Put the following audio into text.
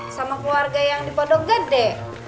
sama keluarga yang dipodong gede